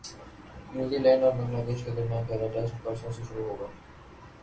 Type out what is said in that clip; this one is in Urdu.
نیوزی لینڈ اور بنگلہ دیش کے درمیان پہلا ٹیسٹ پرسوں سے شروع ہوگا